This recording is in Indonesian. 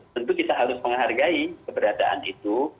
tentu kita harus menghargai keberadaan itu